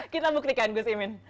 kita buktikan gus imin